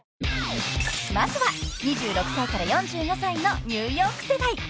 ［まずは２６歳から４５歳のニューヨーク世代］